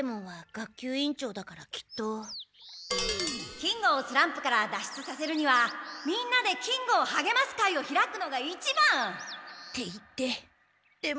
金吾をスランプから脱出させるにはみんなで金吾をはげます会を開くのが一番！って言ってでもボクは。